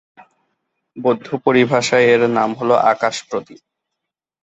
বৌদ্ধ পরিভাষায় এর নাম হলো, ‘আকাশ-প্রদীপ’।